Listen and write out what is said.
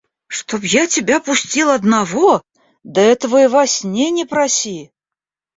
– Чтоб я тебя пустил одного! Да этого и во сне не проси.